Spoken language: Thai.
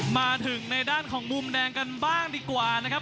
มาถึงในด้านของมุมแดงกันบ้างดีกว่านะครับ